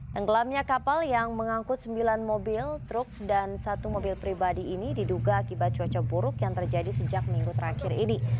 tenggelamnya kapal yang mengangkut sembilan mobil truk dan satu mobil pribadi ini diduga akibat cuaca buruk yang terjadi sejak minggu terakhir ini